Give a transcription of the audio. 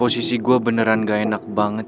posisi gue beneran gak enak banget